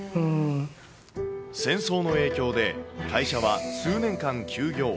戦争の影響で、会社は数年間休業。